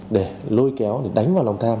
để lôi kéo đánh vào lòng tham